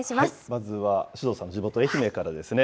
まずは首藤さん、地元、愛媛からですね。